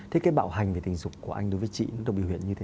hoặc là bạo lực về kinh tế